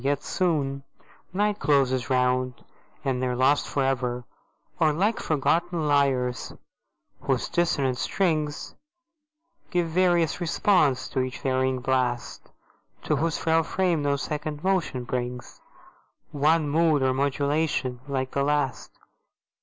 yet soon Night closes round, and they are lost forever: Or like forgotten lyres, whose dissonant strings Give various response to each varying blast, To whose frail frame no second motion brings One mood or modulation like the last.